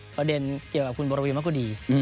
ประเด็นเกี่ยวกับคุณบรวีมันก็ดี